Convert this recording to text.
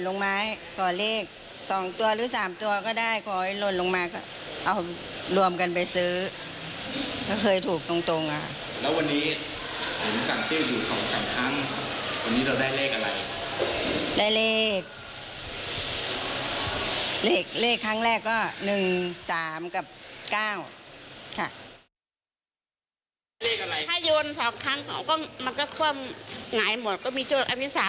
สองคนพี่เลขอะไรเลขเซ็มซีเขาใช่ไหมเลขเซ็มซีค่ะ